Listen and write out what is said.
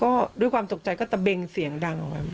ก็ด้วยความตกใจก็ตะเบงเสียงดังออกไป